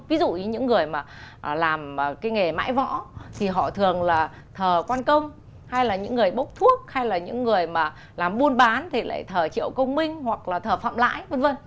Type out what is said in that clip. ví dụ như những người mà làm cái nghề mãi võ thì họ thường là thờ quan công hay là những người bốc thuốc hay là những người mà làm buôn bán thì lại thờ triệu công minh hoặc là thờ phạm lãi v v